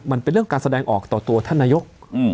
มันเป็นเรื่องการแสดงออกต่อตัวท่านนายก